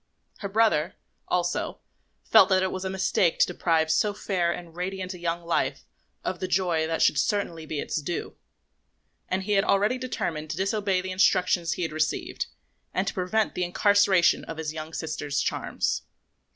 Her brother, also, felt that it was a mistake to deprive so fair and radiant a young life of the joy that should certainly be its due; and he had already determined to disobey the instructions he had received and to prevent the incarceration of his young sister's charms.